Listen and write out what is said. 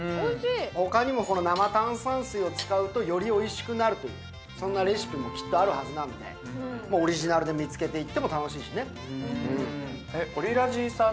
他にもこの生炭酸水を使うとよりおいしくなるというそんなレシピもきっとあるはずなんでもうオリジナルで見つけていっても楽しいしね